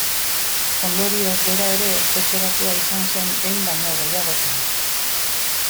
Ondorioz, bera ere espetxeratua izan zen behin baino gehiagotan.